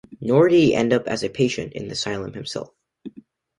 Nor did he end up as a patient in the asylum himself.